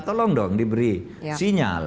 tolong dong diberi sinyal